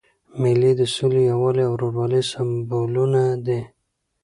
مېلې د سولي، یووالي او ورورولۍ سېمبولونه دي.